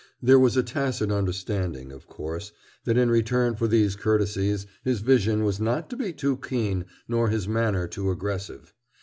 There was a tacit understanding, of course, that in return for these courtesies his vision was not to be too keen nor his manner too aggressive.